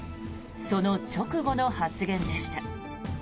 その直後の発言でした。